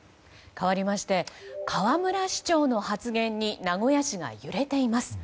かわりまして河村市長の発言に名古屋市が揺れています。